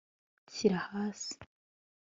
shyira hasi